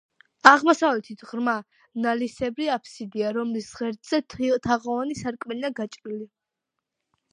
აღმოსავლეთით ღრმა, ნალისებრი აფსიდია, რომლის ღერძზე თაღოვანი სარკმელია გაჭრილი.